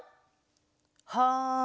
はい。